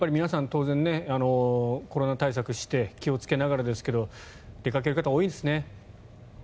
当然、コロナ対策して気をつけながらですが出かける方は多いですね。